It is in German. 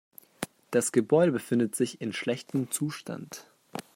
Das Gebäude befindet sich in schlechtem Zustand.